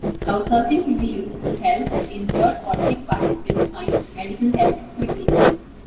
Crowdsurfing can be used to help injured or sick participants find medical help quickly.